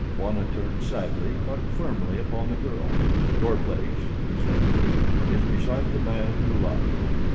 Bwana turned sadly but firmly upon the girl. "Your place," he said, "is beside the man you love."